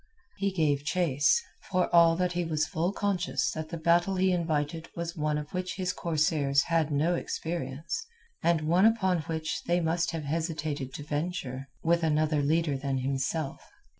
He gave chase, for all that he was full conscious that the battle he invited was one of which his corsairs had no experience, and one upon which they must have hesitated to venture with another leader than himself.